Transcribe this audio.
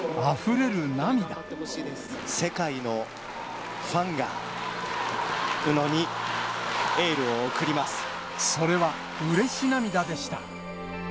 世界のファンが、宇野にエーそれはうれし涙でした。